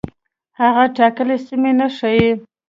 هغه ټاکلې سیمه نه ښيي.